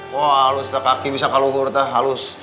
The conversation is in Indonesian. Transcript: wah halus teh kaki bisa kaluhur teh halus